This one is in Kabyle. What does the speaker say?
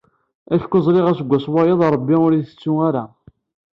Acku ẓriɣ aseggas wayeḍ Rebbi ur ittettu ara.